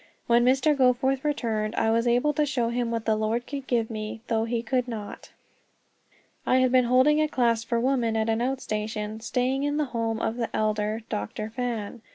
When Mr. Goforth returned I was able to show him what the Lord could give me, though he could not. I had been holding a class for women at an out station, staying in the home of the elder, Dr. Fan.